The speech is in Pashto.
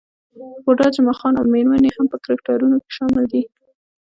بوډا جمعه خان او میرمن يې هم په کرکټرونو کې شامل دي.